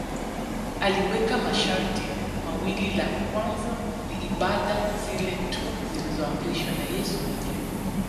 Aliweka masharti mawili la kwanza ni ibada zile tu zilizoamriwa na Yesu mwenyewe